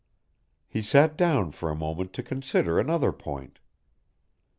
He sat down for a moment to consider another point.